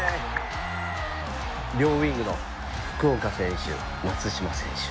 両ウイングの福岡選手、松島選手。